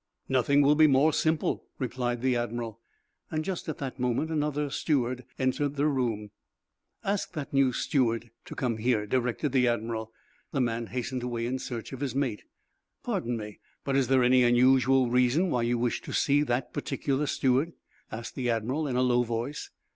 "Nothing will be more simple," replied the admiral. Just at that moment another steward entered the room. "Ask that new steward to come here," directed the admiral. The man hastened away in search of his mate. "Pardon me, but is there any unusual reason why you wish to see that particular steward?" asked the admiral, in a low voice.